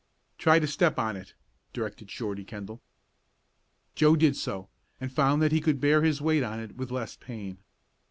"Try to step on it," directed Shorty Kendall. Joe did so, and found that he could bear his weight on it with less pain.